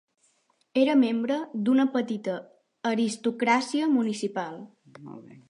Era membre d'una petita aristocràcia municipal.